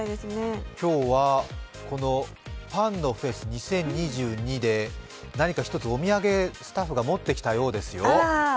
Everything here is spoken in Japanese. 今日はパンのフェス２０２２で何か一つお土産をスタッフが持ってきたようですよ。